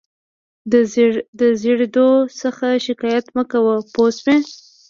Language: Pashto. د زړېدو څخه شکایت مه کوه پوه شوې!.